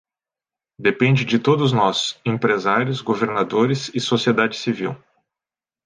Depende de todos nós, empresários, governadores e sociedade civil.